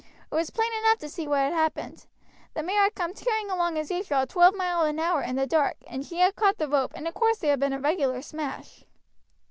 It was plain enough to see what had happened. The mare had come tearing along as usual at twelve mile an hour in the dark, and she had caught the rope, and in course there had been a regular smash."